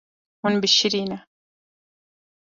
Hûn bişirîne.